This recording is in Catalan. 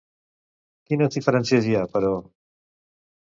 Quines diferències hi ha, però?